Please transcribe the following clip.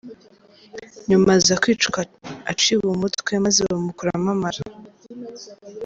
Nyuma aza kwicwa aciwe umutwe, maze bamukuramo amara.